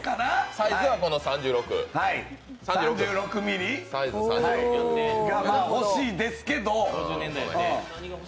サイズは３６ｍｍが欲しいですけど。